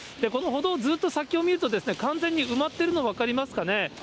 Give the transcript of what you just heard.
この歩道、ずっと先を見ると、完全に埋まっているの、分かりますかね。